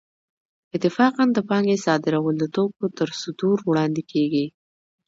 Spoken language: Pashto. اتفاقاً د پانګې صادرول د توکو تر صدور وړاندې کېږي